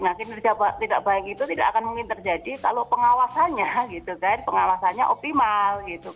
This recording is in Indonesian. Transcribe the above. nah kinerja tidak baik itu tidak akan mungkin terjadi kalau pengawasannya gitu kan pengawasannya optimal gitu